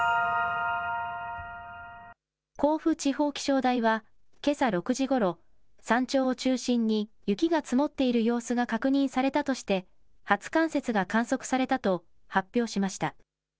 甲府地方気象台は、けさ６時ごろ、山頂を中心に、雪が積もっている様子が確認されたとして、初冠雪が観測されたと発表しました。